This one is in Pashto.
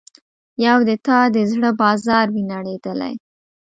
یو د تا د زړه بازار وي نړیدلی